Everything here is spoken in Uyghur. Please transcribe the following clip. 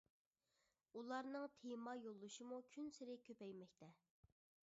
ئۇلارنىڭ تېما يوللىشىمۇ كۈنسېرى كۆپەيمەكتە.